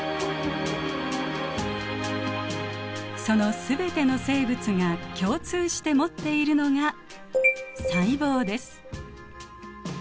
その全ての生物が共通して持っているのが細胞です。